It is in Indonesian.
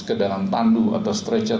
ke dalam tandu atau stretcher